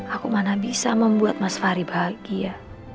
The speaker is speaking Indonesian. aku mana bisa membuat mas fari bahagia